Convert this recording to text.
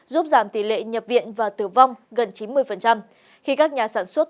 giúp giảm tỷ lệ nhập viện và tử vong gần chín mươi khi các nhà sản xuất